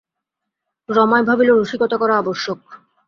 রমাই ভাবিল রসিকতা করা আবশ্যক।